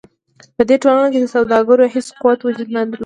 په دې ټولنو کې د سوداګرو هېڅ قوت وجود نه درلود.